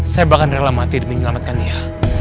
saya bahkan rela mati dan menyelamatkan dia